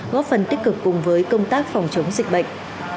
góp phần tích cực cùng với công tác phòng chống dịch bệnh